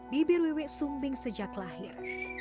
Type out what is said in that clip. bibir wiwik sumbing sejak lahir